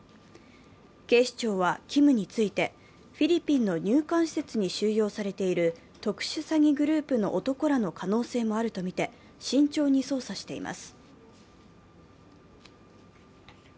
警視庁はキムについてフィリピンの入管施設に入用されている特殊詐欺グループの男らの可能性もあるとみて、慎重に捜査しています。